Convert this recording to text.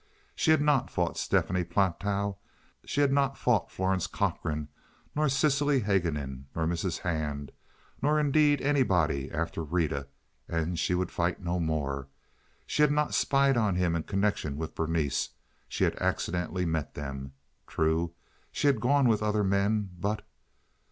She had not fought Stephanie Platow, she had not fought Florence Cochrane, nor Cecily Haguenin, nor Mrs. Hand, nor, indeed, anybody after Rita, and she would fight no more. She had not spied on him in connection with Berenice—she had accidentally met them. True, she had gone with other men, but?